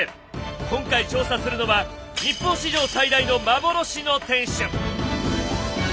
今回調査するのは日本史上最大の幻の天守！